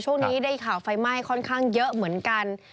ช่วงนี้ได้ข่าวไฟไหม้ค่อนข้างเยอะเหมือนกัน